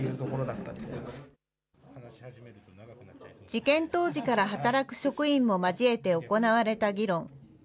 事件当時から働く職員も交えて行われた議論。